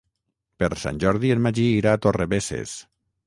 Per Sant Jordi en Magí irà a Torrebesses.